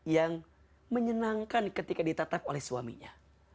yang menyenangkan ketika ditatap oleh suaminya